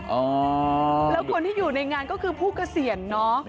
อ๋อแล้วคนที่อยู่ในงานก็คือผู้เกษียณเนอะ